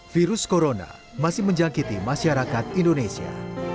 virus corona masih menjangkiti masyarakat indonesia